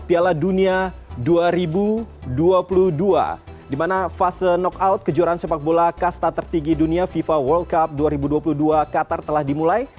piala dunia dua ribu dua puluh dua di mana fase knockout kejuaraan sepak bola kasta tertinggi dunia fifa world cup dua ribu dua puluh dua qatar telah dimulai